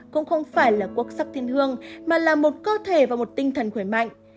cũng không phải là quốc sắc thiên hương mà là một cơ thể và một tinh thần khỏe mạnh